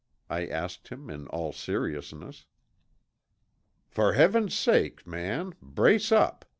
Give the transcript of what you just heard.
I asked him in all seriousness. "For heaven's sake, man, brace up!"